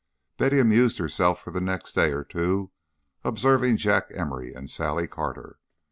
V Betty amused herself for the next day or two observing Jack Emory and Sally Carter.